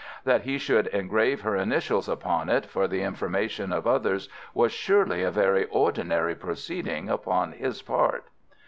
That he should engrave her initials upon it for the information of others was surely a very ordinary proceeding upon his part."